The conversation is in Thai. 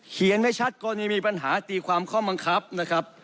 เขียนไว้ชัดก็ไม่มีปัญหาตีความข้อบังคับนะครับ